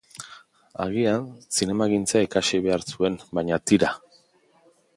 Agian zinemagintza ikasi behar nuen, baina tira.